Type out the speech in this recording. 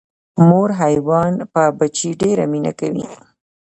مور حیوان په بچي ډیره مینه کوي